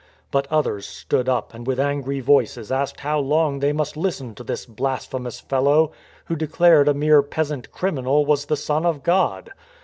But others stood up and with angry voices asked how long they must listen to this blasphemous fellow who declared a mere peasant criminal was the Son of God.